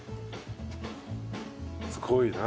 すごいな。